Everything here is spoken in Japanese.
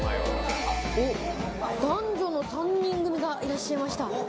男女の３人組がいらっしゃいました。